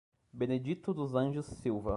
Benedito dos Anjos Silva